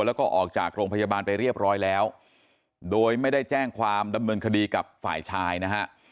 แล้วก็ออกจากโรงพยาบาลไปเรียบร้อยแล้วโดยไม่ได้แจ้งความดำเนินคดีกับฝ่ายชายนะฮะ